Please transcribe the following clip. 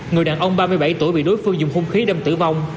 người đàn ông ba mươi bảy tuổi bị đối phương dùng hung khí đâm tử vong